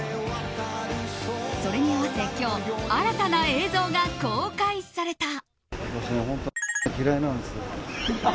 それに合わせ今日、新たな映像が公開された。